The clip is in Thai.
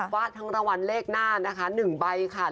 วาดทั้งรางวัลเลขหน้านะคะ๑ใบค่ะ